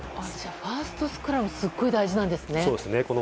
ファーストスクラムがすごい大事なんですね。